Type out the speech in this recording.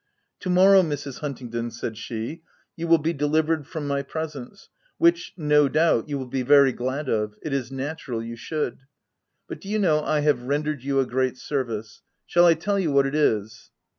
"To morrow, Mrs. Huntingdon/' said she, "you will be delivered from my presence, which, no doubt, you will be very glad of— it is natural you should ;— but do you know I have rendered you a great service ?— Shall I tell you what it is?"